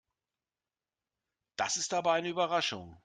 Das ist aber eine Überraschung.